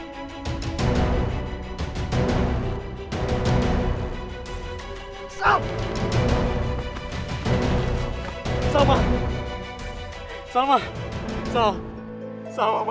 ternyata desain kamu